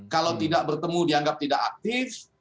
kalau tidak bertemu dianggap tidak aktif